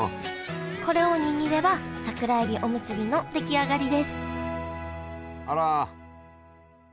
これを握れば桜えびおむすびの出来上がりですあら！